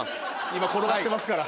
今転がってますから。